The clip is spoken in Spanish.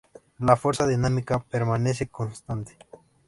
La fuerza dinámica permanece constante.